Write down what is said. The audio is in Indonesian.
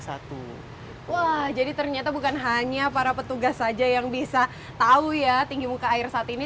wah jadi ternyata bukan hanya para petugas saja yang bisa tahu ya tinggi muka air saat ini